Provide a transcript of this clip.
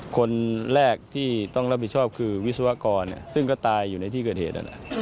คนแรกที่ต้องรับผิดชอบคือวิศวกรซึ่งก็ตายอยู่ในที่เกิดเหตุนั่นแหละ